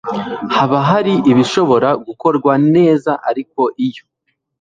haba hari ibishobora gukorwa neza ariko iyo